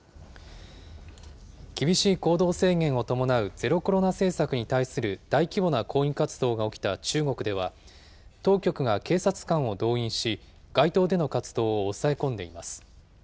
厳しい行動制限を伴うゼロコロナ政策に対する大規模な抗議活動が起きた中国では、当局が警察官を動員し、街頭での活動を抑え込んでいます。